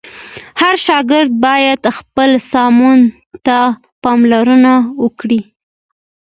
هر شاګرد باید خپل سمون ته پاملرنه وکړه.